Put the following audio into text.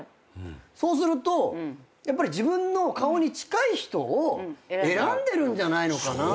そうするとやっぱり自分の顔に近い人を選んでるんじゃないのかなって。